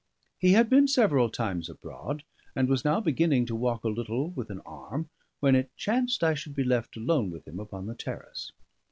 He had been several times abroad, and was now beginning to walk a little with, an arm, when it chanced I should be left alone with him upon the terrace.